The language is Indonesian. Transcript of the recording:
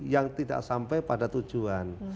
yang tidak sampai pada tujuan